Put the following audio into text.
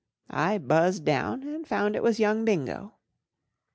I buzzed down, and found it was young Bingo.